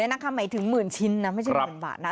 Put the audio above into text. หมายถึงหมื่นชิ้นนะไม่ใช่หมื่นบาทนะ